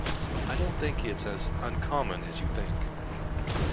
I don't think it's as uncommon as you think.